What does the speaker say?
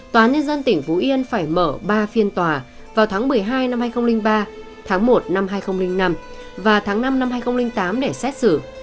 tòa nhân dân tỉnh phú yên phải mở ba phiên tòa vào tháng một mươi hai năm hai nghìn ba tháng một năm hai nghìn năm và tháng năm năm hai nghìn tám để xét xử